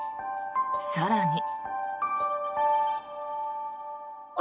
更に。